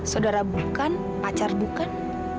saudara bukan pacar bukan